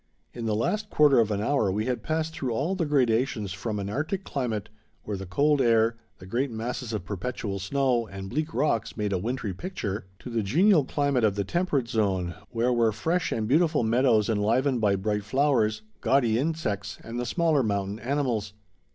In the last quarter of an hour we had passed through all the gradations from an arctic climate, where the cold air, the great masses of perpetual snow, and bleak rocks, made a wintry picture, to the genial climate of the temperate zone, where were fresh and beautiful meadows enlivened by bright flowers, gaudy insects, and the smaller mountain animals.